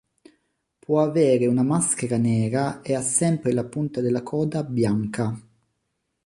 Può avere una maschera nera e ha sempre la punta della coda bianca.